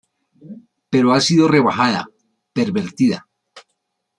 Pero ha sido rebajada, pervertida.